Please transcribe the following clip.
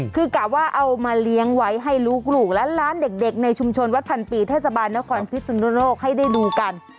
คือกะว่าเอามาเลี้ยงไว้ให้ลูกและร้านเด็กในชุมชนวัดพันปีเทศบาลนครพิสุนโลกให้ได้ดูกัน